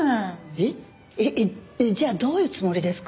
えっじゃあどういうつもりですか？